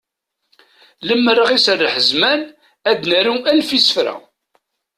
Limer ad aɣ-iserreḥ zzman, ad d-naru alef isefra.